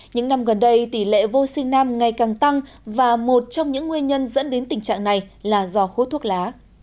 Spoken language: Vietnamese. những năm gần đây tỷ lệ vô sinh nam ngày càng tăng và một trong những nguyên nhân dẫn đến tình trạng này là do hút thuốc lá